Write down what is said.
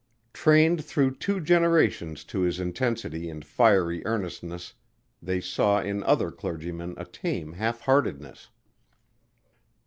Trained through two generations to his intensity and fiery earnestness they saw in other clergymen a tame half heartedness.